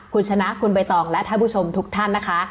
คุณชนะคุณใบตองและท่านผู้ชมทุกท่านนะคะ